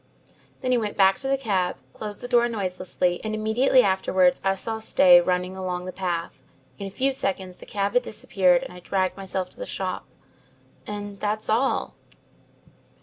"Then he went back to the cab, closed the door noiselessly, and immediately afterwards I saw Stay running along the path. In a few seconds the cab had disappeared and I dragged myself to the shop and that's all."